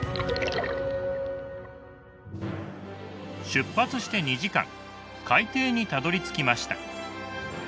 出発して２時間海底にたどりつきました。